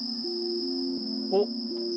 おっ！